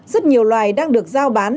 rất nhiều loài đang được giao bán